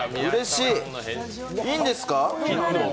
いいんですか？